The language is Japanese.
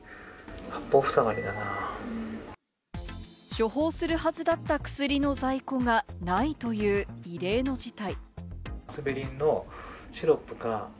処方するはずだった薬の在庫がないという、異例の事態。